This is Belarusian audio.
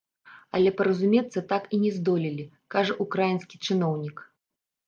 Але паразумецца так і не здолелі, кажа ўкраінскі чыноўнік.